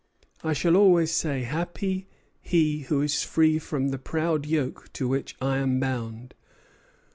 "I shall always say, Happy he who is free from the proud yoke to which I am bound.